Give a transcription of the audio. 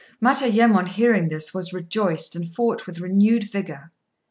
Matayémon, hearing this, was rejoiced, and fought with renewed vigour.